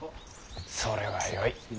それはよい。